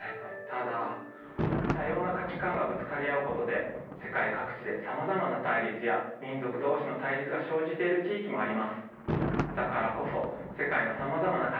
ただ多様な価値観がぶつかり合うことで世界各地でさまざまな対立や民族同士の対立が生じている地域もあります。